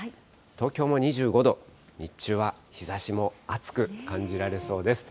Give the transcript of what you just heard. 東京も２５度、日中は日ざしも暑く感じられそうです。